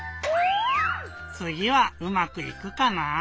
つぎはうまくいくかな？